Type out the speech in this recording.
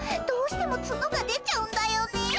どうしてもツノが出ちゃうんだよね。